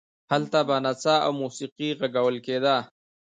هلته به نڅا او موسیقي غږول کېده.